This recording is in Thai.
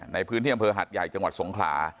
ในพื้นที่อำเภอหัดใหญ่จังหวัดสงขลา